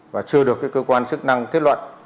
và chưa được cơ quan chức năng kết luận